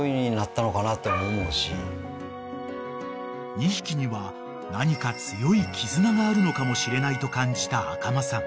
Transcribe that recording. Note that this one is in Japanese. ［２匹には何か強い絆があるのかもしれないと感じた赤間さん］